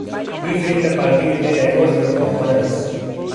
He filmed a party with a diverse group of models.